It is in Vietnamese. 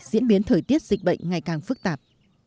diễn biến thời tiết dịch bệnh ngày càng phức tạp